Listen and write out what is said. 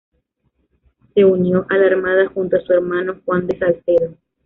Se unió a la Armada junto a su hermano Juan de Salcedo.